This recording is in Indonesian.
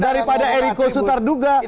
daripada eriko sutarduga